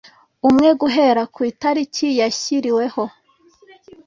umwe guhera ku itariki igihe yashyiriweho